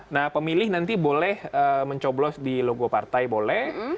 nah pemilih nanti boleh mencoblos di logo partai boleh